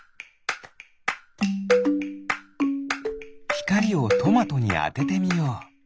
ひかりをトマトにあててみよう。